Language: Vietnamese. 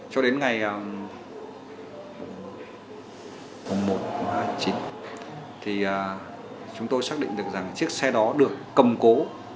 cho đến ngày một chín thì chúng tôi xác định được rằng chiếc xe đó được cầm cố